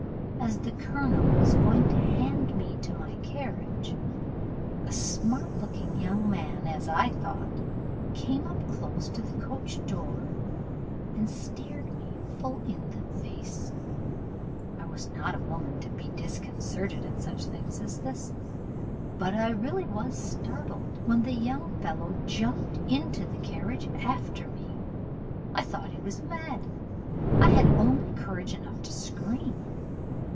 As the colonel was going to hand me to my carriage, a smart looking young man, as I thought, came up close to the coach door, and stared me full in the face: I was not a woman to be disconcerted at such a thing as this, but I really was startled when the young fellow jumped into the carriage after me: I thought he was mad: I had only courage enough to scream.